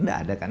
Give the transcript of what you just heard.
tidak ada kan